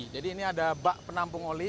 jadi ini ada bak penampung oli